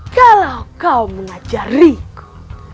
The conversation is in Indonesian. kalau kau mengajariku